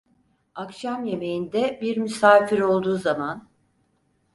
Akşam yemeğinde bir misafir olduğu zaman…